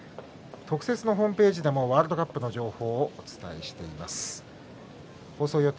特設のホームページでもワールドカップの情報をお伝えしています。